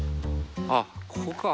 あっここか。